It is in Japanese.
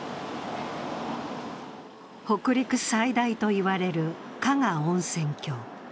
北陸最大と言われる加賀温泉郷。